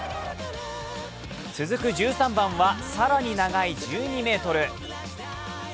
続く１３番は更に長い１２ｍ。